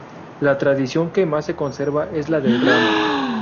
La tradición que más se conserva es la del Ramo.